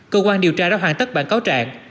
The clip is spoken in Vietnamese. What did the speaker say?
cơ quan điều tra đã hoàn tất bản cáo trạng